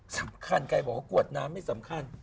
สำคัญใครบอกว่ากวดน้ำไม่สำคัญ